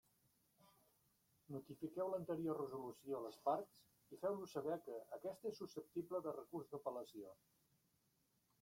Notifiqueu l'anterior resolució a les parts i feu-los saber que aquesta és susceptible de recurs d'apel·lació.